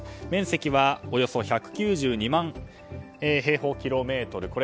面積はおよそ１９２万平方キロメートル。